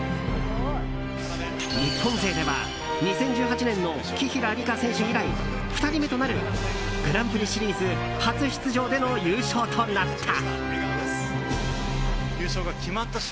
日本勢では、２０１８年の紀平梨花選手以来２人目となるグランプリシリーズ初出場での優勝となった。